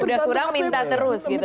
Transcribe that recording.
udah kurang minta terus gitu